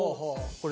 これ？